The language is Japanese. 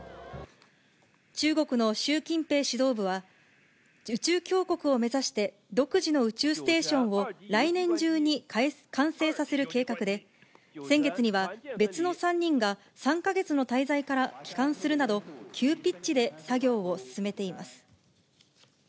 中国の習近平指導部は、宇宙強国を目指して、独自の宇宙ステーションを来年中に完成させる計画で、先月には別の３人が３か月の滞在から帰還するなど、急ピッチで作業を進めています。